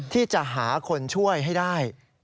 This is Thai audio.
ที่จะหาคนช่วยให้ได้